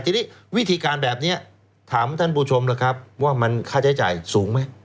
ทีนี้วิธีการแบบนี้ถามท่านผู้ชมล่ะครับว่ามันค่าใช้จ่ายสูงไหม